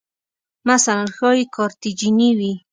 مثلاً ښایي کارتیجني وې